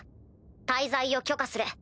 滞在を許可する。